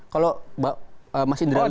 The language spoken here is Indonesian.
kalau mas indra lihat